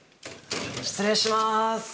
失礼します。